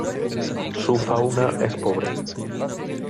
Su fauna es pobre.